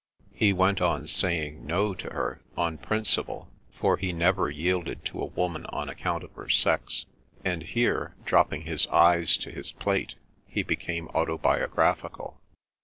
He went on saying "No" to her, on principle, for he never yielded to a woman on account of her sex. And here, dropping his eyes to his plate, he became autobiographical.